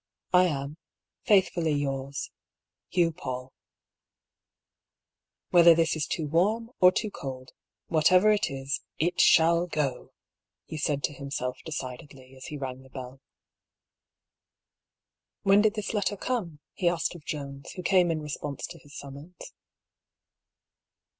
" I am, faithfully yours, "Hugh Pjlull." " Whether this is too warm, or too cold — whatever it is, it shall go,^^ he said to himself decidedly, as he rang the bell. " When did this letter come ?" he asked of Jones, who came in response to his summons.